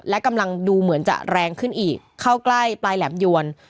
และกำลังดูเหมือนจะแรงขึ้นอีกเข้าใกล้ปลายแหลมยวน